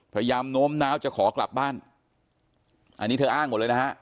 โน้มน้าวจะขอกลับบ้านอันนี้เธออ้างหมดเลยนะฮะ